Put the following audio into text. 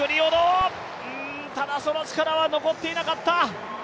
ただ、その力は残っていなかった。